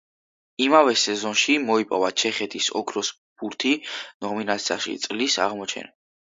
იმავე სეზონში მოიპოვა ჩეხეთის ოქროს ბურთი ნომინაციაში „წლის აღმოჩენა“.